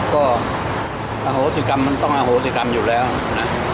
ก็อโหสิกรรมมันต้องอโหสิกรรมอยู่แล้วนะ